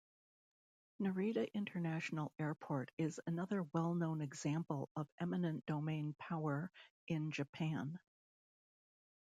Narita International Airport is another well-known example of eminent domain power in Japan.